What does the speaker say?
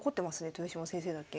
豊島先生だけ。